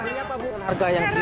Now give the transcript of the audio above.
harga yang kini